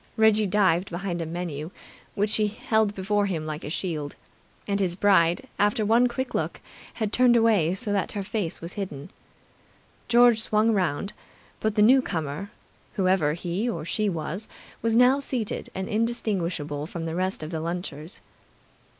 Reggie dived behind a menu, which he held before him like a shield, and his bride, after one quick look, had turned away so that her face was hidden. George swung around, but the newcomer, whoever he or she was, was now seated and indistinguishable from the rest of the lunchers.